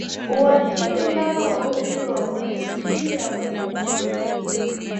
Huathiri ndama wa umri wa chini ya mwezi mmoja